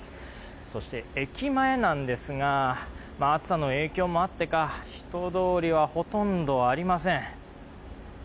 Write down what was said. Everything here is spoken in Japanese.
そして駅前なんですが暑さの影響もあってか人通りはほとんどありません。